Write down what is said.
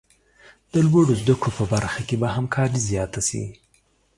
د لوړو زده کړو په برخه کې به همکاري زیاته شي.